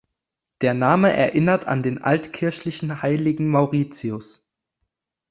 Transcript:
Der Name erinnert an den altkirchlichen Heiligen Mauritius.